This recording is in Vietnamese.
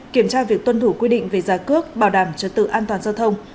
kiểm tra việc tuân thủ quy định về gia cước bảo đảm chất tự an toàn giao thông